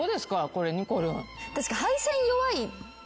これにこるん。